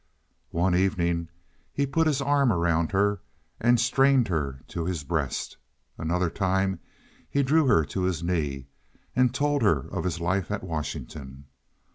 One evening he put his arm around her and strained her to his breast. Another time he drew her to his knee, and told her of his life at Washington.